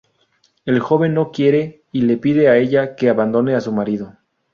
El joven no quiere y le pide a ella que abandone a su marido.